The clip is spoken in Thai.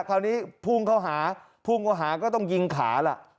คราวนี้ภูมิเขาหาภูมิเขาหาก็ต้องยิงขาล่ะ